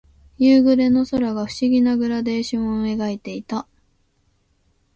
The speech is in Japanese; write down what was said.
夕暮れの空が不思議なグラデーションを描いていた。